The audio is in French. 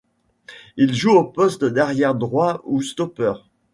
Il joue au poste d'arrière droit ou stoppeur.